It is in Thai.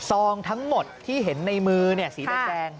ซองทั้งหมดที่เห็นในมือสีแดง